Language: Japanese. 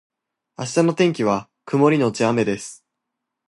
明日の天気は曇りのち雨です